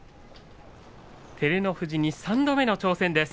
照ノ富士に３度目の挑戦です。